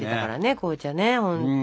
紅茶ね本当。